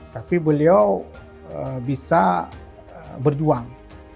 tapi beliau bisa berjuang